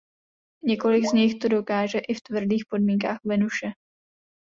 Několik z nich to dokáže i v tvrdých podmínkách Venuše.